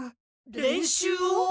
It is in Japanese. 練習を？